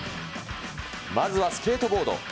まずはスケートボード。